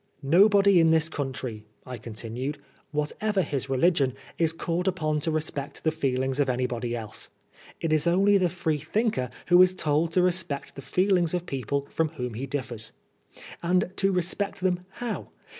"Nobody in this country," I continued, "whatever his religion, is called upon to respect the feelings of anybody else. It is only the Freethinker who is told to respect the feelings of people from whom he diflEers. And to respect them how